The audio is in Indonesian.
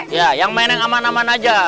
ya yang main yang aman aman aja